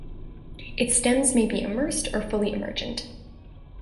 Its stems may be immersed or fully emergent.